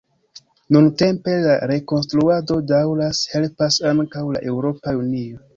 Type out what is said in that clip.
Nuntempe la rekonstruado daŭras, helpas ankaŭ la Eŭropa Unio.